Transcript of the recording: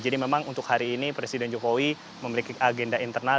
jadi memang untuk hari ini presiden jokowi memiliki agenda internal